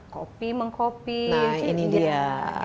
kopi mengkopi nah ini dia